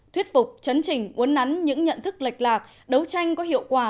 thuyết phục chấn trình uốn nắn những nhận thức lệch lạc đấu tranh có hiệu quả